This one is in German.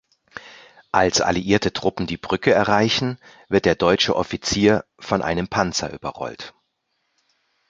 Als alliierte Truppen die Brücke erreichen, wird der deutsche Offizier von einem Panzer überrollt.